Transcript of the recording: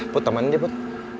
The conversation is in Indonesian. put teman dia put